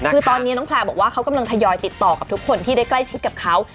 คือตอนนี้น้องแพลร์บอกว่าเขากำลังทยอยติดต่อกับทุกคนที่ได้ใกล้ชิดกับเขา